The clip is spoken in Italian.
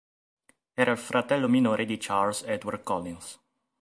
Era il fratello minore di Charles Edward-Collins.